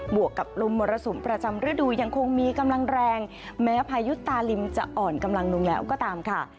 วกกับลมมรสุมประจำฤดูยังคงมีกำลังแรงแม้พายุตาลิมจะอ่อนกำลังลงแล้วก็ตามค่ะ